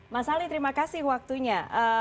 mas ali terima kasih waktunya